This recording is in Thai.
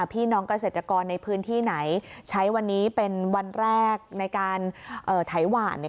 พี่น้องเกษตรกรในพื้นที่ไหนใช้วันนี้เป็นวันแรกในการไถหวาน